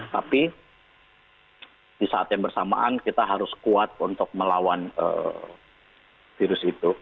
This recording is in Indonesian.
tapi di saat yang bersamaan kita harus kuat untuk melawan virus itu